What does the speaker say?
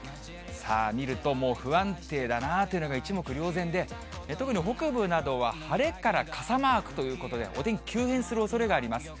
見るともう不安定だなというのが一目瞭然で、特に北部などは、晴れから傘マークということで、お天気、急変するおそれがあります。